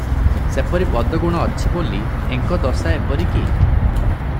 ସେପରି ବଦ୍ଗୁଣ ଅଛି ବୋଲି ଏଙ୍କ ଦଶା ଏପରି କି?